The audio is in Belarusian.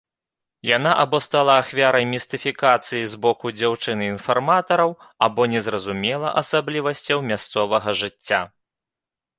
Яна або стала ахвярай містыфікацыі з боку дзяўчын-інфарматараў, або не зразумела асаблівасцяў мясцовага жыцця.